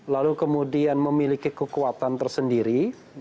lalu kemudian memiliki kekuatan tersendiri